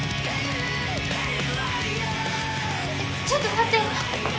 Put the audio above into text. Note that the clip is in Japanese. ちょっと待って。